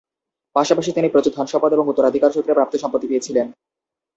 পাশাপাশি তিনি প্রচুর ধনসম্পদ এবং উত্তরাধিকারসূত্রে প্রাপ্ত সম্পত্তি পেয়েছিলেন।